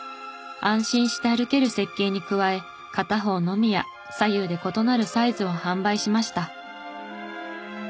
安心して歩ける設計に加え片方のみや左右で異なるサイズを販売しました。